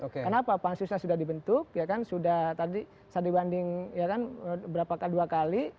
kenapa pansusnya sudah dibentuk sudah tadi saya dibanding berapa kali